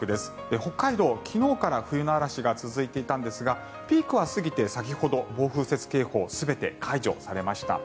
北海道、昨日から冬の嵐が続いていたんですがピークは過ぎて先ほど暴風雪警報全て、解除されました。